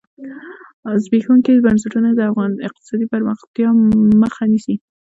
زبېښونکي بنسټونه د اقتصادي پراختیا مخه نیسي.